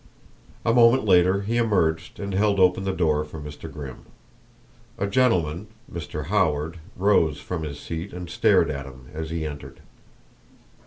A moment later he emerged and held open the door for Mr. Grimm. A gentleman Mr. Howard rose from his seat and stared at him as he entered.